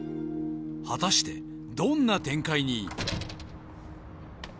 果たしてどんな展開に？